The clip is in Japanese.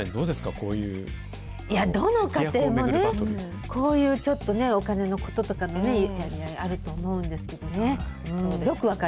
こうどの家庭もね、こういうちょっとね、お金のこととかもね、あると思うんですけどね、よく分か